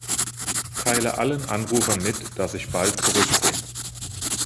Teile allen Anrufern mit, dass ich bald zurück bin.